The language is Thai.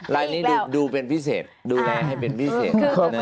ลายนี้ดูเป็นพิเศษดูแลให้เป็นพิเศษ